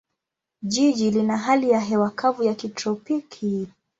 Jiji lina hali ya hewa kavu ya kitropiki.